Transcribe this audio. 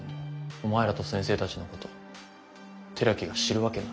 お前らと先生たちのこと寺木が知るわけない。